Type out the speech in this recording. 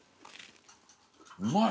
うまい。